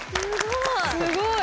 すごい！